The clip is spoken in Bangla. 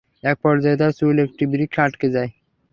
এক পর্যায়ে তার চুল একটি বৃক্ষে আঁটকে যায়।